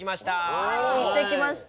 はい行ってきました。